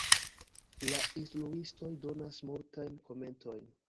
La instruistoj donas multajn komentojn.